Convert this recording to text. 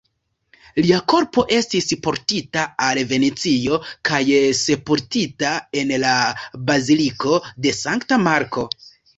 Lia korpo estis portita al Venecio kaj sepultita en la Baziliko de Sankta Marko.